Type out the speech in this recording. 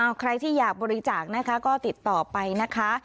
เอาใครที่อยากบริจาคนะคะก็ติดต่อไปนะคะ